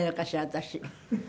私。